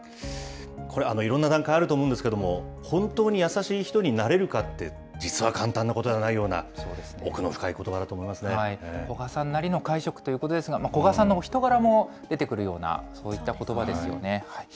これ、いろんな段階あると思うんですけれども、本当に優しい人になれるかって、実は簡単なことではないような、古賀さんなりの解釈ということですが、古賀さんのお人柄も出てくるような、そういったことばですよね。